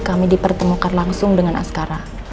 kami dipertemukan langsung dengan askara